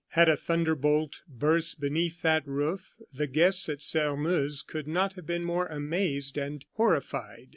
Had a thunder bolt burst beneath that roof, the guests at Sairmeuse could not have been more amazed and horrified.